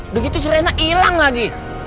udah gitu si rena ilang lagi